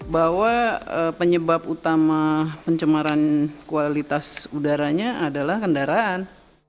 bahwa penyebab utama pencemaran kualitas udaranya adalah kendaraan